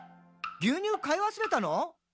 牛乳買い忘れたの？」